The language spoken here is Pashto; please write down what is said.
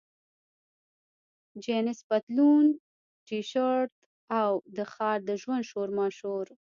جینس پتلون، ټي شرټ، او د ښار د ژوند شورماشور.